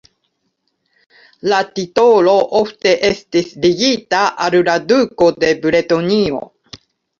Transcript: La titolo ofte estis ligita al la duko de Bretonio.